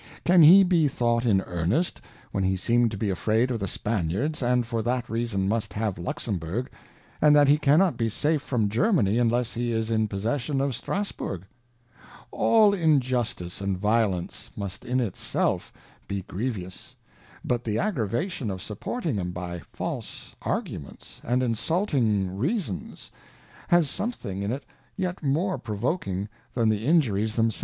Can he be thought in earnest, when he seem'd to be afraid of the Spaniards, and for that reason must have Luxenburg, and that he cannot be safe from Germany, unless he is in possession of Strasburg} All Injustice and Violence must in it self be grievous, but the aggravations of supporting 'em by false Arguments, and insulting Reasons, has something in it yet more provoking than the Injuries them selves ; of a Trimmer.